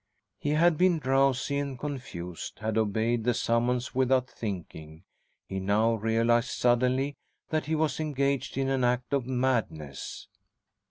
He had been drowsy and confused, had obeyed the summons without thinking. He now realised suddenly that he was engaged in an act of madness.